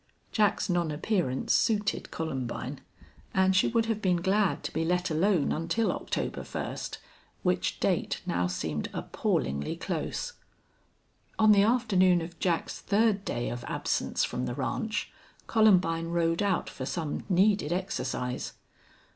Jack's non appearance suited Columbine, and she would have been glad to be let alone until October first, which date now seemed appallingly close. On the afternoon of Jack's third day of absence from the ranch Columbine rode out for some needed exercise.